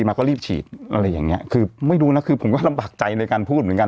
มาก็รีบฉีดอะไรอย่างเงี้ยคือไม่รู้นะคือผมก็ลำบากใจในการพูดเหมือนกัน